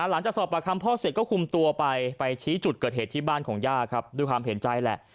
หลังจากสอบประคำพ่อเสร็จก็คุมตัวไปไปชี้จุดเกิดเหตุที่บ้านของย่าครับด้วยความเห็นใจแหละ